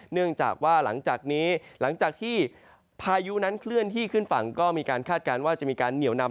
เนื่องจากว่าหลังจากนี้หลังจากที่พายุนั้นเคลื่อนที่ขึ้นฝั่งก็มีการคาดการณ์ว่าจะมีการเหนียวนำ